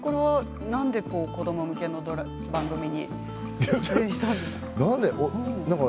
なんで子ども向けの番組に出演したんですか？